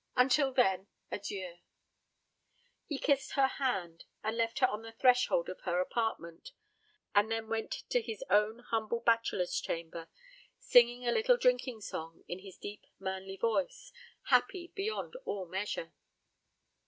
Until then, adieu!" He kissed her hand, and left her on the threshold of her apartment, and then went to his own humble bachelor's chamber, singing a little drinking song in his deep manly voice, happy beyond all measure.